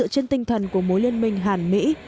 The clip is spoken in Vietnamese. trong thần của mối liên minh hàn mỹ